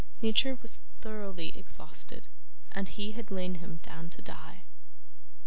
Nature was thoroughly exhausted, and he had lain him down to die.